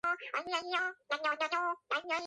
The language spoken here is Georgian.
პიტერ ჯექსონი ერთდროულად მუშაობდა სამივე ფილმზე.